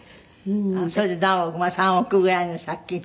それで何億まあ３億ぐらいの借金。